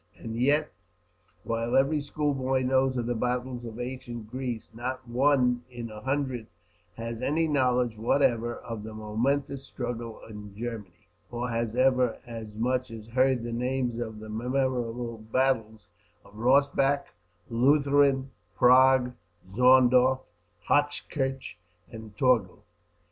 And yet, while every school boy knows of the battles of ancient Greece, not one in a hundred has any knowledge whatever of the momentous struggle in Germany, or has ever as much as heard the names of the memorable battles of Rossbach, Leuthen, Prague, Zorndorf, Hochkirch, and Torgau.